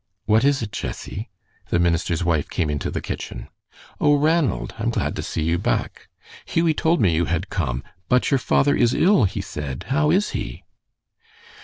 "What is it, Jessie?" The minister's wife came into the kitchen. "Oh, Ranald, I'm glad to see you back. Hughie told me you had come. But your father is ill, he said. How is he?"